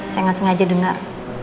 saya nggak sengaja dengar